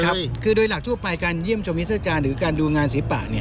ครับคือโดยหลักทั่วไปการเยี่ยมชมเย็นเซอร์การหรือการดูงานสีปากเนี่ย